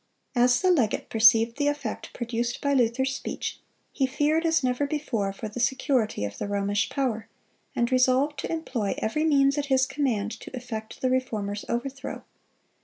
As the legate perceived the effect produced by Luther's speech, he feared, as never before, for the security of the Romish power, and resolved to employ every means at his command to effect the Reformer's overthrow.